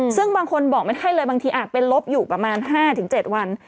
ซึ่งบางคนบอกไม่ได้เลยบางทีอาจเป็นลบอยู่ประมาณ๕๗วัน